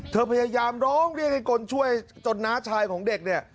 พยายามร้องเรียกให้คนช่วยจนน้าชายของเด็กเนี่ย